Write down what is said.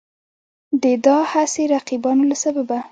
د دا هسې رقیبانو له سببه